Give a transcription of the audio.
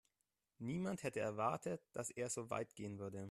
Niemand hätte erwartet, dass er so weit gehen würde.